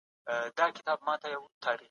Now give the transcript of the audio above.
په غوښو پړسېدلی